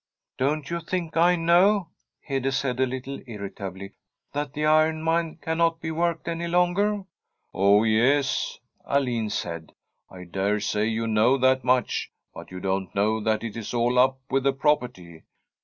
' Don't you think I know/ Hede said a little irritably, ' that the iron mine cannot be worked anv longer ?' Oh yes/ Alin said, ' I dare say you know that much, but you don't know that it is all up with the property.